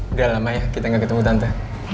udah lama ya kita gak ketemu tante